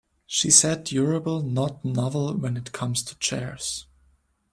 She said durable not novel when it comes to chairs.